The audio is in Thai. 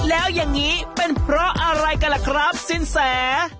แล้วอย่างนี้เป็นเพราะอะไรกันล่ะครับสินแส